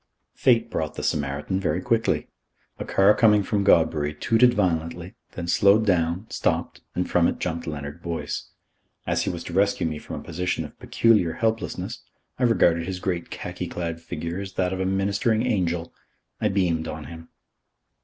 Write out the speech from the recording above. Fate brought the Samaritan very quickly. A car coming from Godbury tooted violently, then slowed down, stopped, and from it jumped Leonard Boyce. As he was to rescue me from a position of peculiar helplessness, I regarded his great khaki clad figure as that of a ministering angel. I beamed on him.